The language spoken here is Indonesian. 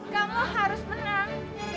kamu harus menang